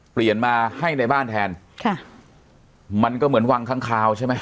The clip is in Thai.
เปลี่ยนมาให้ในบ้านแทนค่ะมันก็เหมือนวังข้างคาวใช่ไหม